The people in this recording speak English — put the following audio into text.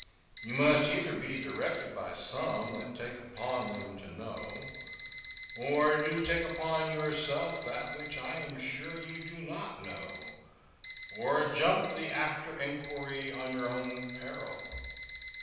You must either be directed by some that take upon them to know, or to take upon yourself that which I am sure you do not know, or jump the after inquiry on your own peril.